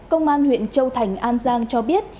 công an huyện châu thành an giang cho biết